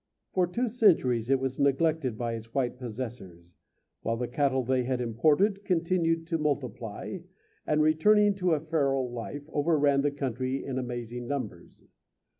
For two centuries it was neglected by its white possessors, while the cattle they had imported continued to multiply, and, returning to a feral life, overran the country in amazing numbers.